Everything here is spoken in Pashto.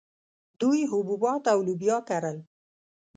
دوی حبوبات او لوبیا کرل